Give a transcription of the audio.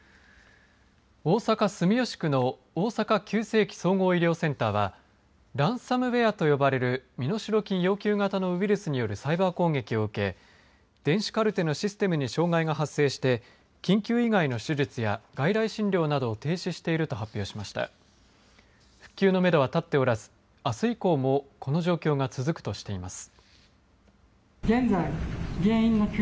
大阪、住吉区の大阪市急性期・総合医療センターはランサムウエアと呼ばれる身代金要求型のウイルスによるサイバー攻撃を受け電子カルテのシステムに障害が発生して緊急以外の手術や外来診療などを停止していると発表しました復旧のめどは立っておらずあす以降もこの状況が続くとしています。